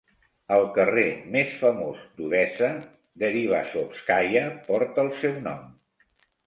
El carrer més famós d'Odessa, Deribasovskaya, porta el seu nom.